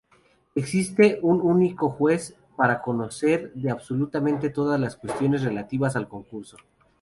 Existe un único juez para conocer de absolutamente todas las cuestiones relativas al concurso.